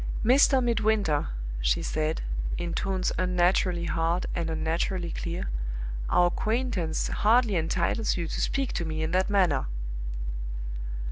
"Mr. Midwinter," she said, in tones unnaturally hard and unnaturally clear, "our acquaintance hardly entitles you to speak to me in that manner."